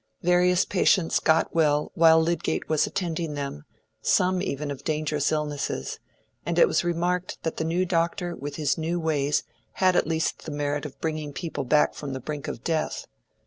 Various patients got well while Lydgate was attending them, some even of dangerous illnesses; and it was remarked that the new doctor with his new ways had at least the merit of bringing people back from the brink of death.